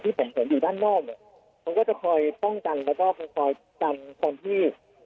ที่เป็นส่วนอยู่ด้านนอกเขาก็จะคอยป้องกันแล้วก็คอยป้องกันคนที่